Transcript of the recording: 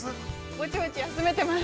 ◆ぼちぼち休めています。